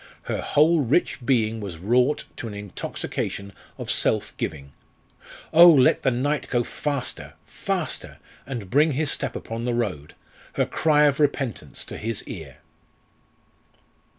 Her whole rich being was wrought to an intoxication of self giving. Oh! let the night go faster! faster! and bring his step upon the road, her cry of repentance to his ear.